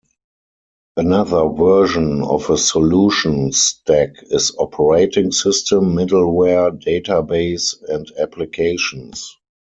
Another version of a solution stack is operating system, middleware, database, and applications.